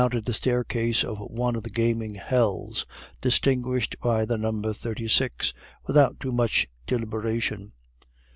He mounted the staircase of one of the gambling hells distinguished by the number 36, without too much deliberation.